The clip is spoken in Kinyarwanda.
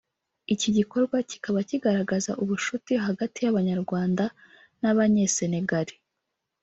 Icyi gikorwa kikaba kigaragaza ubucuti hagati y’Abanyarwanda n’Abanyasenegali